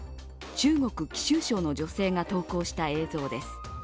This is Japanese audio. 中国・貴州省の女性が投稿した映像です。